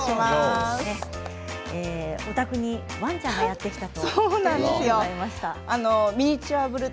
お宅にワンちゃんがやって来たと。